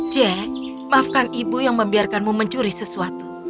jack maafkan ibu yang membiarkanmu mencuri sesuatu